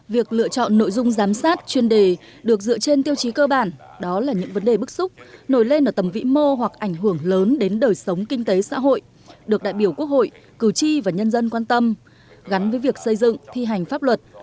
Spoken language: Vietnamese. việc lựa chọn nội dung giám sát chuyên đề được dựa trên tiêu chí cơ bản đó là những vấn đề bức xúc nổi lên ở tầm vĩ mô hoặc ảnh hưởng lớn đến đời sống kinh tế xã hội được đại biểu quốc hội cử tri và nhân dân quan tâm gắn với việc xây dựng thi hành pháp luật